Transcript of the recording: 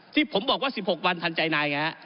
ที่ผมบอกว่า๑๖วันทันใจนายไงฮะ